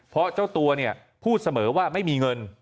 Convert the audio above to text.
เพราะเจ้าตัวพูดเสมอว่าไม่มีเงิน